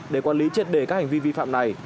để quản lý triệt đề các hành vi vi phạm này